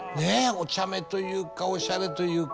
お茶目というかオシャレというか。